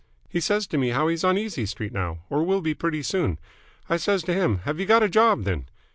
"He says to me how he's on Easy Street now, or will be pretty soon. I says to him 'Have you got a job, then?'